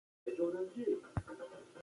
ښکلو پېغلو زنده ګي لټوم ، چېرې ؟